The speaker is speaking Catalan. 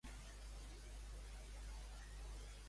Quin insecte cau sobre de la seva cama?